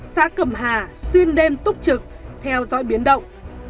xã cẩm hà xuyên đêm túc trực theo dõi biến động